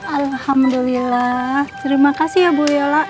alhamdulillah terima kasih ya bu yola